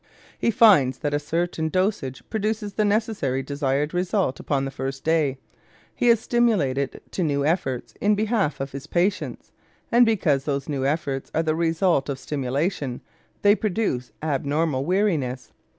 He finds that a certain dosage produces the necessary desired result upon the first day; he is stimulated to new efforts in behalf of his patients, and because those new efforts are the result of stimulation, they produce abnormal weariness.